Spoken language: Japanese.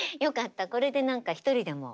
これで何か１人でも多くね。